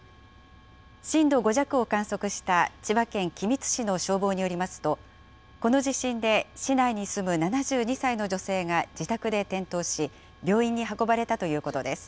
震度５弱を観測した千葉県君津市の消防によりますと、この地震で市内に住む７２歳の女性が自宅で転倒し、病院に運ばれたということです。